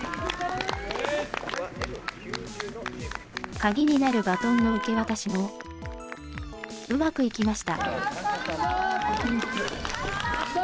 鍵になるバトンの受け渡しもうまくいきました。